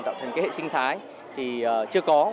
tạo thành hệ sinh thái chưa có